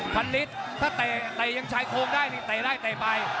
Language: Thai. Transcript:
พันลิตรถ้าไตไตยังใช้โครงได้ไตได้ไตไป